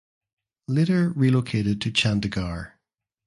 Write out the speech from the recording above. Later relocated to Chandigarh.